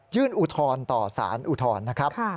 ยื่นอุทธรณ์ต่อสารอุทธรณ์นะครับค่ะ